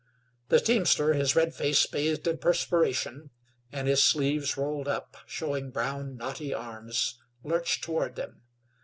The teamster, his red face bathed in perspiration, and his sleeves rolled up, showing brown, knotty arms, lurched toward them.